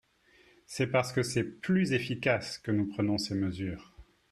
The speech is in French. C’est parce que c’est plus efficace que nous prenons ces mesures.